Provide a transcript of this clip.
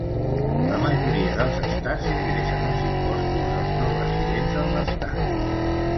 La majoria dels estats ingressen els impostos dels no residents en l'estat.